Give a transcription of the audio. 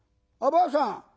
ばあさん